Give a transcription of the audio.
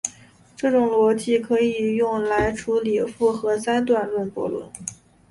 这种逻辑可以用来处理复合三段论悖论。